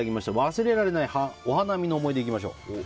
忘れられないお花見の思い出いきましょう。